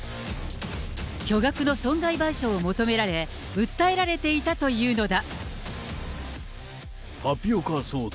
巨額の損害賠償を求められ、訴えられていたというのだ。